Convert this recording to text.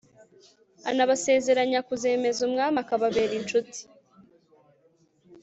anabasezeranya kuzemeza umwami akababera incuti